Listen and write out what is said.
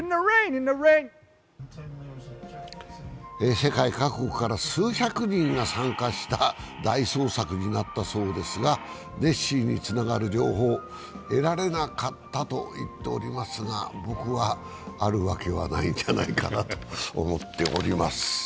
世界各国から数百人が参加した大捜索になったそうですが、ネッシーにつながる情報、得られなかったと言っておりますが、僕はあるわけはないんじゃないかなと思っております。